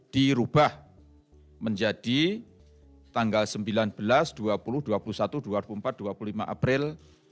dirubah menjadi tanggal sembilan belas dua puluh dua puluh satu dua puluh empat dua puluh lima april dua ribu dua puluh